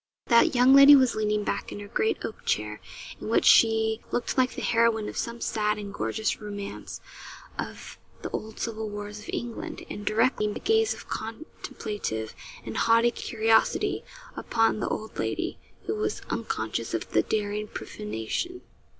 That young lady was leaning back in her great oak chair, in which she looked like the heroine of some sad and gorgeous romance of the old civil wars of England, and directing a gaze of contemplative and haughty curiosity upon the old lady, who was unconscious of the daring profanation.